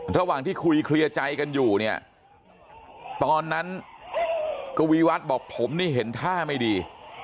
ระหว่างที่คุยเคลียร์ใจกันอยู่เนี่ยตอนนั้นกวีวัฒน์บอกผมนี่เห็นท่าไม่ดี